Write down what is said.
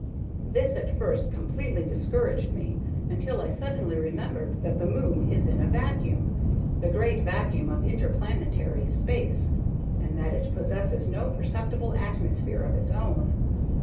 "This at first completely discouraged me, until I suddenly remembered that the moon is in a vacuum, the great vacuum of interplanetary space, and that it possesses no perceptible atmosphere of its own.